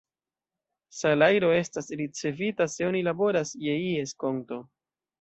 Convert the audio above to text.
Salajro estas ricevita se oni laboras je ies konto.